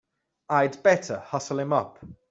I'd better hustle him up!